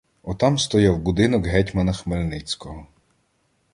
— Отам стояв будинок гетьмана Хмельницького.